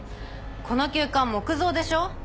この旧館木造でしょ？